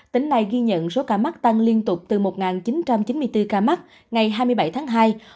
tỉnh này ghi nhận số ca mắc tăng liên tục từ một chín trăm chín mươi bốn ca mắc ngày hai mươi bảy tháng hai